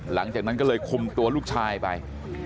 หลังจากนั้นก็เลยคุมตัวลูกชายไป